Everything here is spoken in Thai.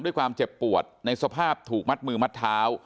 ด้วยความเจ็บปวดในสภาพถูกมัดมือมัดเท้า